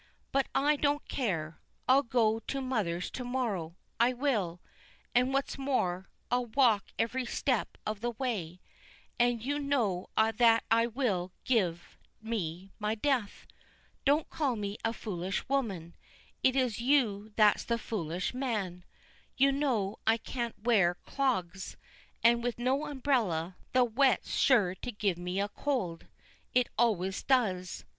But I don't care I'll go to mother's to morrow, I will; and what's more, I'll walk every step of the way and you know that will give me my death. Don't call me a foolish woman, it's you that's the foolish man. You know I can't wear clogs; and with no umbrella, the wet's sure to give me a cold it always does.